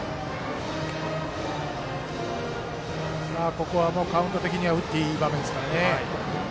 ここはカウント的には打っていい場面ですから。